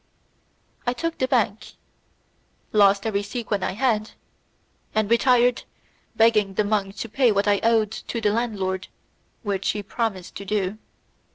I took the bank, lost every sequin I had, and retired, begging the monk to pay what I owed to the landlord, which he promised to do.